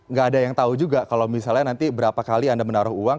nggak ada yang tahu juga kalau misalnya nanti berapa kali anda menaruh uang